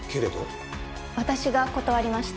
私が断りました。